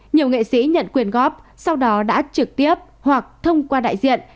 nhiều nghệ sĩ nhận quyền góp sau đó đã trực tiếp hoặc thông qua đại diện